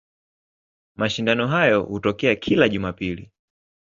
Mashindano hayo hutokea kila Jumapili.